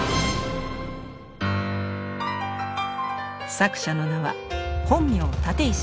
作者の名は本名立石紘一。